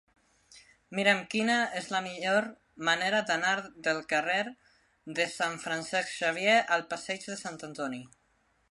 Mira'm quina és la millor manera d'anar del carrer de Sant Francesc Xavier al passeig de Sant Antoni.